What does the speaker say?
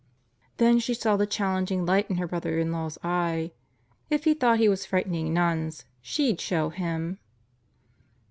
Then she saw the challenging light in her brother in law's eye. If he thought he was frightening nuns, she'd show him!